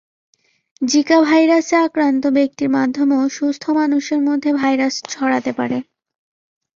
Zika ভাইরাসে আক্রান্ত ব্যক্তির মাধ্যমেও সুস্থ মানুষের মধ্যে ভাইরাস ছড়াতে পারে।